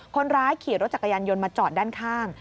คนร้ายขี่รถจักรยานยนต์มาจอดด้านข้าง